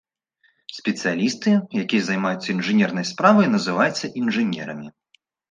Спецыялісты, які займаюцца інжынернай справай называюць інжынерамі.